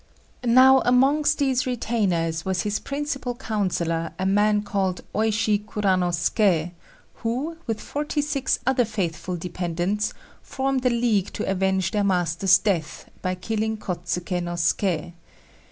Now amongst these retainers was his principal councillor, a man called Oishi Kuranosuké, who, with forty six other faithful dependants, formed a league to avenge their master's death by killing Kôtsuké no Suké.